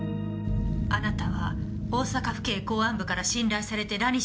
あなたは大阪府警公安部から信頼されてラニシンを鑑定した。